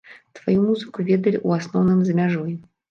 Тваю музыку ведалі ў асноўным за мяжой.